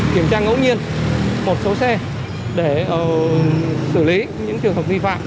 kiểm tra ngẫu nhiên một số xe để xử lý những trường hợp vi phạm